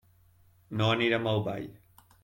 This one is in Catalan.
No anirem al ball.